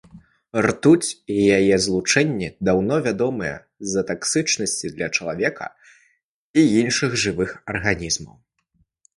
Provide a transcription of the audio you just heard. Ртуць і яе злучэнні даўно вядомыя з-за таксічнасці для чалавека і іншых жывых арганізмаў.